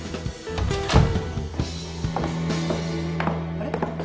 ・あれ？